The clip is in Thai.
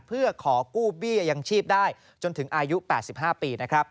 เพื่อขอกู้เบี้ยยังชีพได้จนถึงอายุ๘๕ปี